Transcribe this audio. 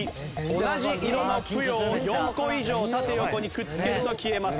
同じ色のぷよを４個以上縦横にくっつけると消えます。